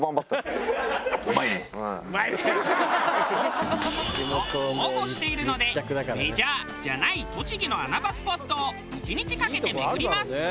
「“うまいね”」「ハハハハ！」と豪語しているのでメジャーじゃない栃木の穴場スポットを１日かけて巡ります。